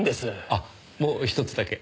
あっもう一つだけ。